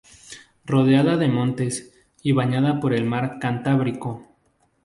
Rodeada de montes y bañada por el Mar Cantábrico.